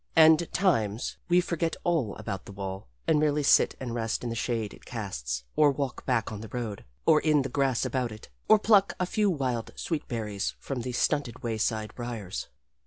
And, times, we forget all about the wall and merely sit and rest in the shade it casts, or walk back on the road, or in the grass about it, or pluck a few wild sweet berries from the stunted wayside briers.